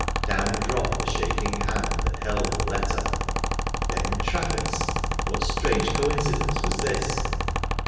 Down dropped the shaking hand that held the letter. Ben Travis ! What strange coincidence was this